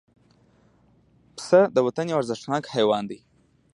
پسه د وطن یو ارزښتناک حیوان دی.